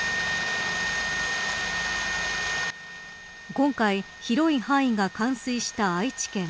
今回、広い範囲が冠水した愛知県。